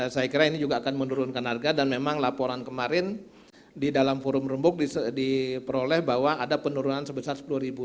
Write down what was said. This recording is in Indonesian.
saya kira ini juga akan menurunkan harga dan memang laporan kemarin di dalam forum rembuk diperoleh bahwa ada penurunan sebesar rp sepuluh